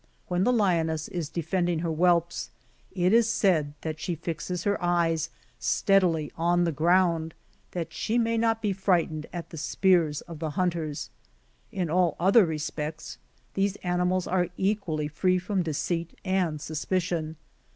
When the lioness is defending her whelps, it is said that she fixes her eyes steadily on the ground, that she may not be frightened at the spears of the hunters. In all other respects, these animals are equally free from deceit and suspicion.